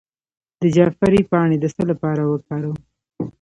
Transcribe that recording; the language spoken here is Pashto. د جعفری پاڼې د څه لپاره وکاروم؟